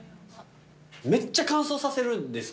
めっちゃ乾燥させるんですか？